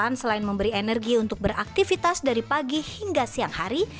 kegiatan selain memberi energi untuk beraktivitas dari pagi hingga siang hari